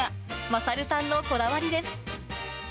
勝さんのこだわりです。